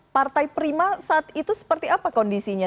partai prima saat itu seperti apa kondisinya